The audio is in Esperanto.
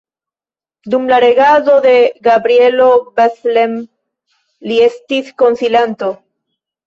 Dum regado de Gabrielo Bethlen li estis konsilanto.